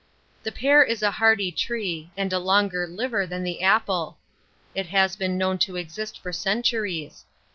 The pear is a hardy tree, and a longer liver than the apple: it has been known to exist for centuries.